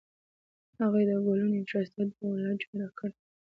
هغې د ګلونو یوه ښایسته ډوله جوړه کړې